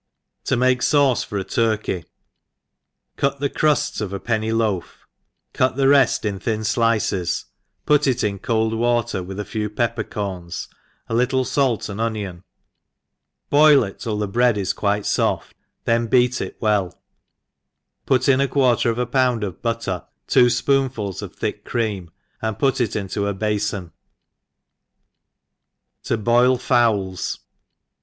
To make Sauce for a TukkeV. CUT the crufts off a penny loaf, cut the reft in thin Aices, put it in cold water, with a few pepper ENGLISH HOtJSE KlEEPEK; 6§ pepper corns, a little fait aad ooion» boil it till the bread is quitp foft, th^n beat it well, put in a quarter of a pound of butter, two fpoonfuls of thick creaai> and put it into a bafbn. To 6oi/ Fowls.